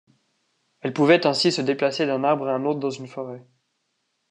Elles pouvaient ainsi se déplacer d'un arbre à un autre dans une forêt.